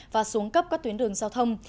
và xuống cấp các tuyến đường giao thông